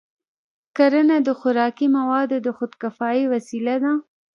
کرنه د خوراکي موادو د خودکفایۍ وسیله ده.